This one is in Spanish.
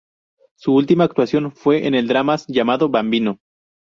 Su última actuación fue en el dramas llamado "Bambino".